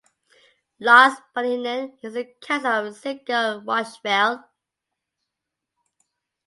Lars Bohinen is a cousin of Sigurd Rushfeldt.